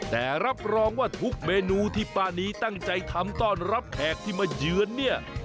แต่รับรองว่าทุกเมนูที่ป้านีตั้งใจทำต้อนรับแขกที่มาเยือนเนี่ย